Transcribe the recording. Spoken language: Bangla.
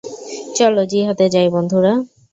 চলো জিহাদে যাই বন্ধুরা।